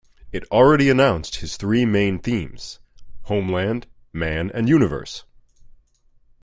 It already announced his three main themes: Homeland, Man and Universe.